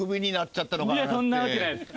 いやそんなわけないです。